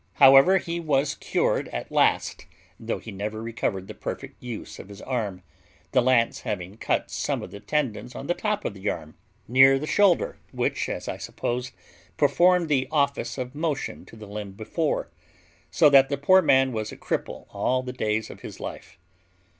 However, he was cured at last, though he never recovered the perfect use of his arm, the lance having cut some of the tendons on the top of the arm, near the shoulder, which, as I supposed, performed the office of motion to the limb before; so that the poor man was a cripple all the days of his life.